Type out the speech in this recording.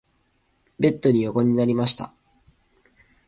ベッドに横になりました。